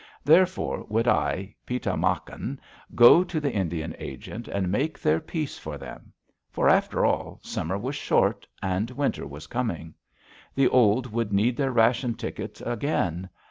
Therefore, would I, Pi ta mak an, go to the Indian agent and make their peace for them? For, after all, summer was short and winter was coming. The old would need their ration tickets again.